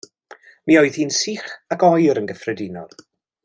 Mi oedd hi'n sych ac oer yn gyffredinol.